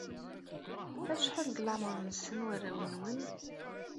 Acḥal deg leɛmeṛ-nsen warraw-nwen?